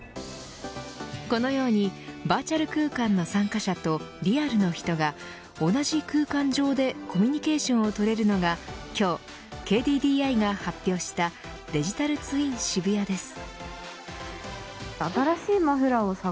このようにバーチャル空間の参加者とリアルの人が、同じ空間上でコミュニケーションを取れるのが今日ＫＤＤＩが発表したデジタルツイン渋谷です。